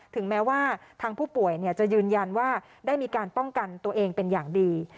ถึงแม้ว่าทางผู้ป่วยจะยืนยันว่าได้มีการป้องกันตัวเองเป็นอย่างดี